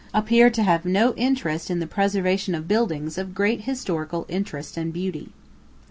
appear to have no interest in the preservation of buildings of great historic interest and beauty.